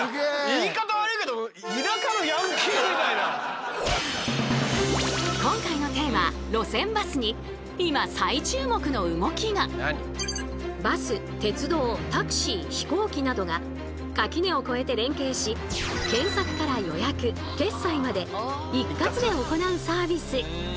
言い方悪いけど今回のテーマバス鉄道タクシー飛行機などが垣根を越えて連携し検索から予約決済まで一括で行うサービス